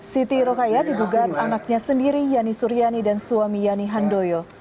siti rokaya digugat anaknya sendiri yani suryani dan suami yani handoyo